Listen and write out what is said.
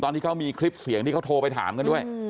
ที่เขามีคลิปเสียงที่เขาโทรไปถามกันด้วย